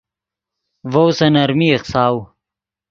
ڤؤ سے نرمی ایخساؤ